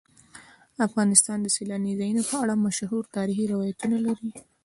افغانستان د سیلانی ځایونه په اړه مشهور تاریخی روایتونه لري.